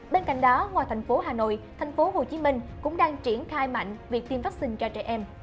bên cạnh đó ngoài thành phố hà nội thành phố hồ chí minh cũng đang triển khai mạnh việc tiêm vaccine cho trẻ em